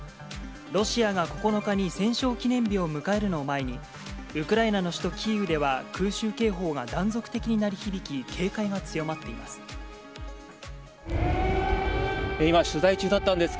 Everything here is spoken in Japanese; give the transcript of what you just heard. ロシアが９日に戦勝記念日を迎えるのを前に、ウクライナの首都キーウでは、空襲警報が断続的に鳴り響き、警戒が強まっています。